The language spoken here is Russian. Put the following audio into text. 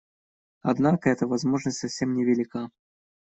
Однако эта возможность совсем невелика.